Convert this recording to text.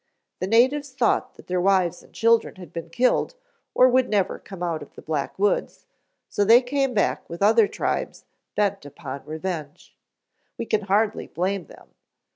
The natives thought that their wives and children had been killed or would never come out of the Black Woods, so they came back with other tribes, bent upon revenge. We can hardly blame them.